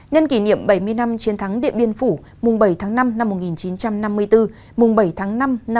nhân kỷ niệm bảy mươi năm chiến thắng điện biên phủ bảy tháng năm một nghìn chín trăm năm mươi bốn